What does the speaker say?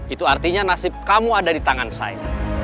itu artinya nasib kamu ada di tangan saya